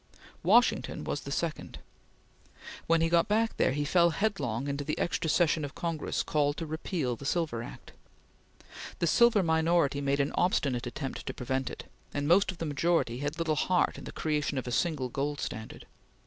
Washington was the second. When he got back there, he fell headlong into the extra session of Congress called to repeal the Silver Act. The silver minority made an obstinate attempt to prevent it, and most of the majority had little heart in the creation of a single gold standard.